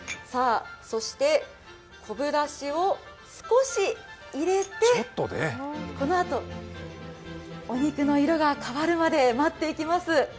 そして、昆布だしを少し入れてこのあと、お肉の色が変わるまで待っていきます。